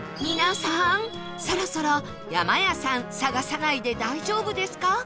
皆さんそろそろやまやさん探さないで大丈夫ですか？